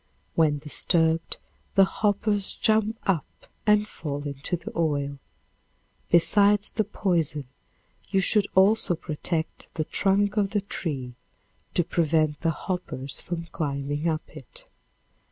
When disturbed the hoppers jump up and fall into the oil. Besides the poison, you should also protect the trunk of the tree to prevent the hoppers from climbing up it.